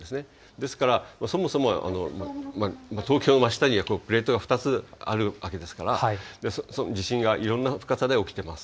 ですから、そもそも東京の真下にはプレートが２つあるわけですから、地震がいろんな深さで起きてます。